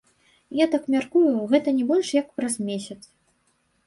Я так мяркую, гэта не больш як праз месяц.